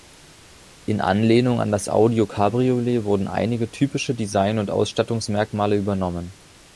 In Anlehnung an das Audi Cabriolet wurden einige typische Design- und Ausstattungsmerkmale übernommen.